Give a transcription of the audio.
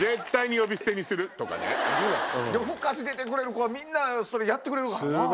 『夜ふかし』出てくれる子はみんなそれやってくれるからな。